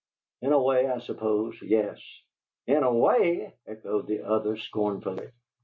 "In a way, I suppose yes." "In a way!" echoed the other, scornfully.